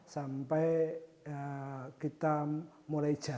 sampai kita mulai jadikan